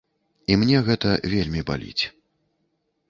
І мне гэта вельмі баліць.